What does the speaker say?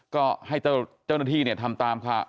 ก็ให้เจ้าหน้าที่เนี่ยทำตามค่ะ